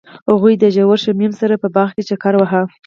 هغوی د ژور شمیم سره په باغ کې چکر وواهه.